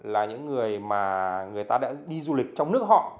là những người mà người ta đã đi du lịch trong nước họ